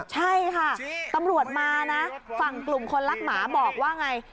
ใช่ค่ะตำรวจมานะฝั่งกลุ่มคนรักหมาบอกว่าไง